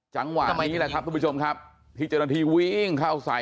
จังหวะนี้แหละครับทุกผู้ชมครับที่เจ้าหน้าที่วิ่งเข้าใส่